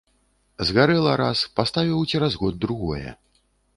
Згарэла раз, паставіў цераз год другое.